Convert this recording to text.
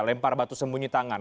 lempar batu sembunyi tangan